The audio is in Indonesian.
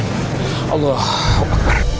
kok kaya suara bang johan